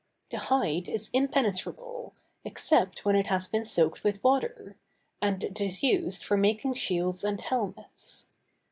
The hide is impenetrable, except when it has been soaked with water; and it is used for making shields and helmets.